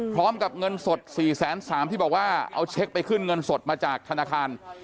พร้อมกับเงินสด๔๓๐๐บาทที่บอกว่าเอาเช็คไปขึ้นเงินสดมาจากธนาคาร